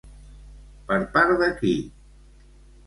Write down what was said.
Per part de qui?